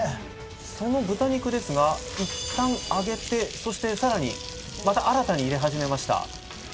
その豚肉ですがいったん上げてそしてさらにまた新たに入れ始めました